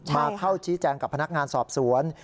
มาเข้าชี้แจงกับพนักงานสอบสวน